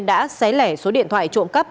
đã xé lẻ số điện thoại trộm cắp